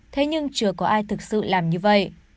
thế nhưng chưa có ai thực sự làm như vậy